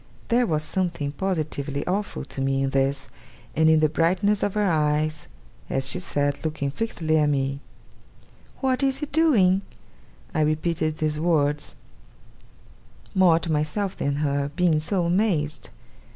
There was something positively awful to me in this, and in the brightness of her eyes, as she said, looking fixedly at me: 'What is he doing?' I repeated the words, more to myself than her, being so amazed.